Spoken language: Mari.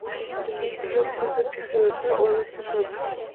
— Жап кузе писын эрта, — ойла сержант.